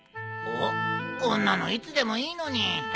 おっこんなのいつでもいいのに。